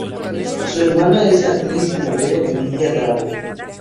Su hermana es la actriz y modelo Emilia Drago.